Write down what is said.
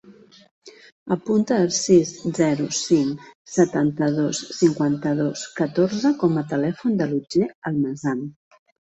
Apunta el sis, zero, cinc, setanta-dos, cinquanta-dos, catorze com a telèfon de l'Otger Almazan.